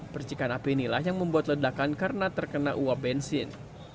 percikan api inilah yang membuat ledakan karena terkena uap bensin